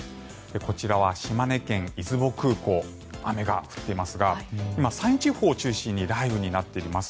こちらは島根県・出雲空港雨が降っていますが今、山陰地方を中心に雷雨になっています。